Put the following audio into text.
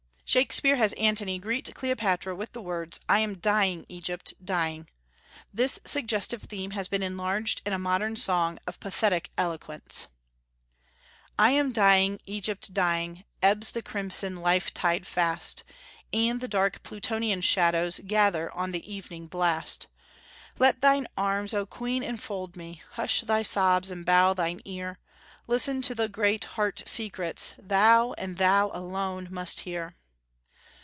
Shakspeare has Antony greet Cleopatra with the words, "I am dying, Egypt, dying!" This suggestive theme has been enlarged in a modern song of pathetic eloquence: I am dying, Egypt, dying, Ebbs the crimson life tide fast, And the dark Plutonian shadows Gather on the evening blast; Let thine arms, O Queen, enfold me, Hush thy sobs and bow thine ear, Listen to the great heart secrets Thou, and thou alone, must hear.